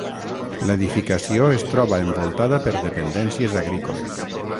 L'edificació es troba envoltada per dependències agrícoles.